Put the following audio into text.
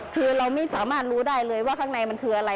คือเราไม่สามารถรู้ได้เลยว่าข้างในมันคืออะไร